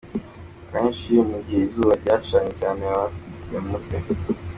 Akanshi mu gihe izuba ryacyanye cyane baba bitwikiriye mu mutwe.